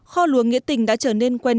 kho lúa nghĩa tình đã trở nên quen